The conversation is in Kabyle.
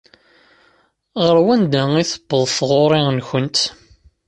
Ɣer wanda i tewweḍ taɣuṛi-nkent?